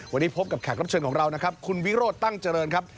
วันนี้พบกับแขกรับเชิญของเรานะครับคุณวิโรธตั้งเจริญครับ